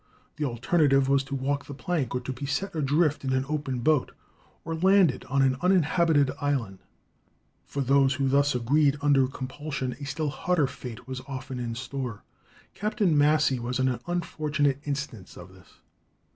The alternative was to walk the plank or to be set adrift in an open boat, or landed on an uninhabited island. For those who thus agreed under compulsion a still harder fate was often in store. Captain Massey was an unfortunate instance of this.